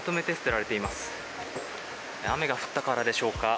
雨が降ったからでしょうか？